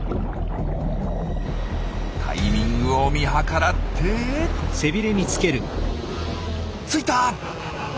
タイミングを見計らってついた！